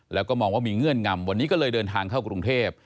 แล้วก็มองว่ามีเงื่อนงำวันนี้ก็เลยเดินทางเข้ากรุงเทพ